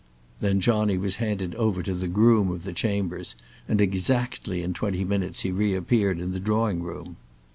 Then Johnny was handed over to the groom of the chambers, and exactly in twenty minutes he re appeared in the drawing room.